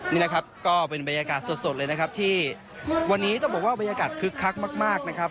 นี่นะครับก็เป็นบรรยากาศสดเลยนะครับที่วันนี้ต้องบอกว่าบรรยากาศคึกคักมากนะครับ